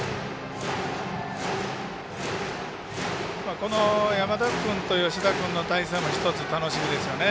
この山田君と吉田君の対戦もひとつ楽しみですよね。